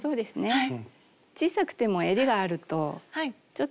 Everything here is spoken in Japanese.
はい。